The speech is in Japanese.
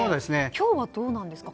今日はどうなんですか？